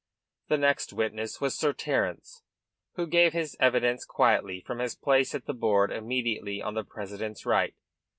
The next witness was Sir Terence, who gave his evidence quietly from his place at the board immediately on the president's right.